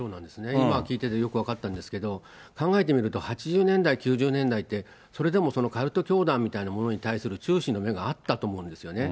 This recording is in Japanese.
今、聞いててよく分かったんですけれども、考えてみると８０年代、９０年代って、それでもカルト教団ってものに対するの目があったと思うんですよね。